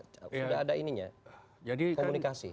tidak ada komunikasi